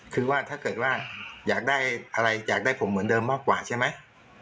คือว่าถ้าเกิดว่าอยากได้อะไรอยากได้ผมเหมือนเดิมมากกว่าใช่ไหม